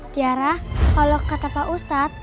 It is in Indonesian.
tiara kalau kata pak ustadz